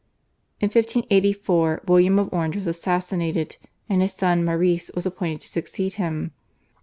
In 1584 William of Orange was assassinated, and his son Maurice was appointed to succeed him.